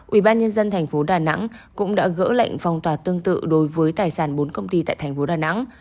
ủy ban dân tp đà nẵng cũng đã gỡ lệnh phong tỏa tương tự đối với tài sản bốn công ty tại tp đà nẵng